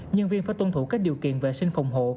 nhân viên phải tuân thủ các điều kiện vệ sinh phòng hộ